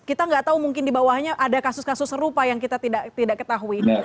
kita tidak tahu mungkin di bawahnya ada kasus kasus serupa yang kita tidak ketahui